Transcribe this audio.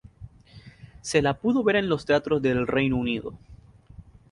Se la pudo ver en los teatros del Reino Unido.